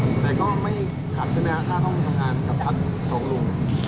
แต่ก็ไม่ขาดชนะข้าต้องทำงานกับพักสองลุง